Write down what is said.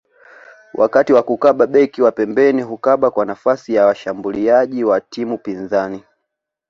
Wakati wa kukaba beki wa pembeni hukaba kwa nafasi ya washambuliaji wa timu pinzani